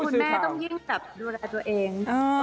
หุ่นแม่ต้องยิ่งดูแลตัวเอง